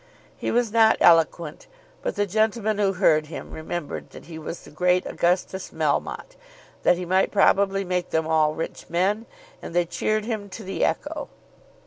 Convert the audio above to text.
He was not eloquent; but the gentlemen who heard him remembered that he was the great Augustus Melmotte, that he might probably make them all rich men, and they cheered him to the echo.